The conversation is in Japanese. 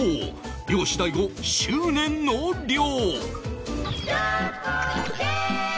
漁師大悟執念の漁